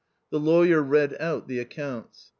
The lawyer read out the accounts.